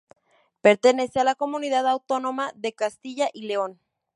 Pertenece a la comunidad autónoma de Castilla y León.